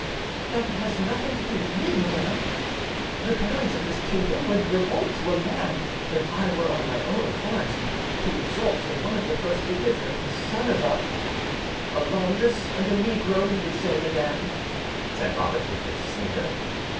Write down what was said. "That has nothing to do with me, madam; the barons of this kingdom would revolt to a man if I were on my own authority to exalt to one of the first dignities the son of a— " "A laundress and a negro; you would say, madam?" said Robert, with a sneer.